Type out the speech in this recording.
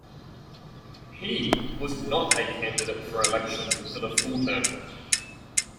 He was not a candidate for election for the full term.